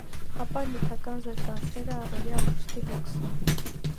Հապա նյութական զրկանքները, առօրյա ապրուստի հոգսը: